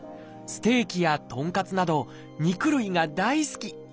ステーキや豚カツなど肉類が大好き。